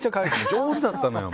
上手だったのよ。